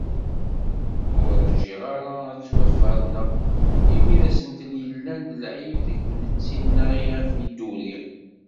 Ur rǧiɣ ara ad ttwaferneɣ imi d asentel i yellan d lεib deg tmetti-nneɣ i ɣef i d-uriɣ.